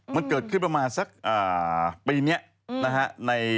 มันเกิดขึ้นประมาณสักปีนี้นะฮะ